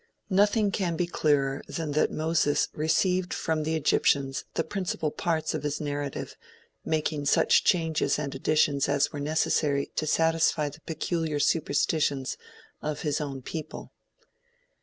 Nothing can be clearer than that Moses received from the Egyptians the principal parts of his narrative, making such changes and additions as were necessary to satisfy the peculiar superstitions of his own people.